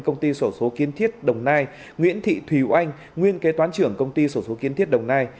công ty sổ số kiến thiết đồng nai nguyễn thị thùy oanh nguyên kế toán trưởng công ty sổ số kiến thiết đồng nai